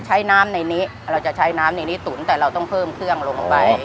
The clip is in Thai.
ใช้น้ำในนี้เราจะใช้น้ำในนี้ตุ๋นแต่เราต้องเพิ่มเครื่องลงไป